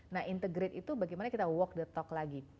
nah integrate itu bagaimana kita walk the talk lagi